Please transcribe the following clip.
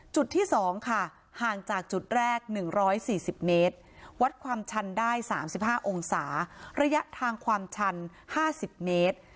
จุดที่๒ค่ะห่างจากจุดแรก๑๔๐เมตรวัดความชันได้๓๕องศาระยะทางความชัน๕๐เมตร